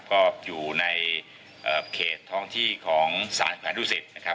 ก็อยู่ในเขตท้องที่ของสารผ่านดุสิตนะครับ